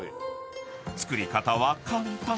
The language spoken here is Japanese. ［作り方は簡単。